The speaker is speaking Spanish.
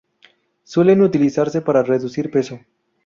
Suelen utilizarse para reducir peso.